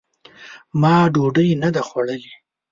ما ډوډۍ نه ده خوړلې !